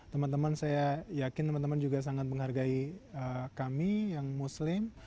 teman teman saya yakin teman teman juga sangat menghargai kami yang muslim